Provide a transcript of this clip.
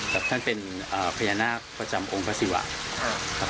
และท่านเป็นพญานาคประจำองค์ภาษีหวะ